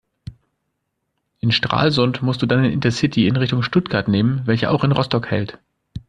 In Stralsund musst du dann den Intercity in Richtung Stuttgart nehmen, welcher auch in Rostock hält.